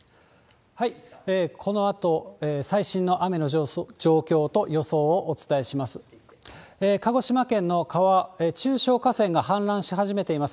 このあと、最新の雨の状況と予想をお伝えします。